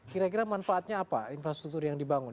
kira kira manfaatnya apa infrastruktur yang dibangun